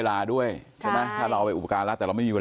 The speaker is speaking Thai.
คือตอนนั้นหมากกว่าอะไรอย่างเงี้ย